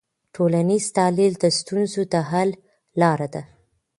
ټولنیز تحلیل د ستونزو د حل لاره ده.